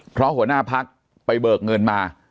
เพราะหัวหน้าพักไปเบิกเงินมา